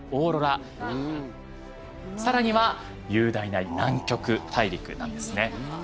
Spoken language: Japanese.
さらには雄大な南極大陸なんですね。